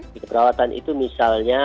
di keperawatan itu misalnya